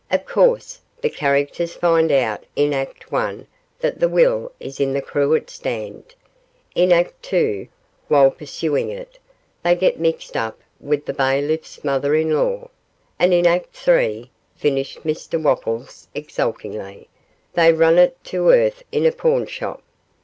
'Of course the characters find out in Act I that the will is in the cruet stand; in Act II, while pursuing it, they get mixed up with the bailiff's mother in law; and in Act III,' finished Mr Wopples, exultingly, 'they run it to earth in a pawnshop.